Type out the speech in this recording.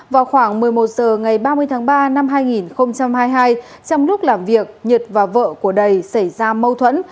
vào khoảng một mươi một h ngày ba mươi tháng ba năm hai nghìn hai mươi hai trong lúc làm việc nhật và vợ của đầy xảy ra mâu thuẫn